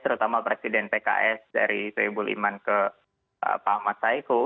terutama presiden pks dari dua ribu lima ke pak ahmad saiku